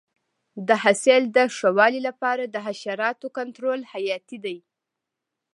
د حاصل د ښه والي لپاره د حشراتو کنټرول حیاتي دی.